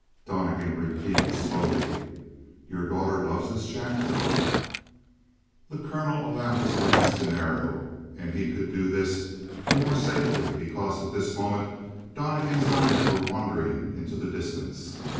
Donnegan repeated slowly: "Your daughter loves this chap?" The colonel allowed his glance to narrow, and he could do this the more safely because at this moment Donnegan's eyes were wandering into the distance.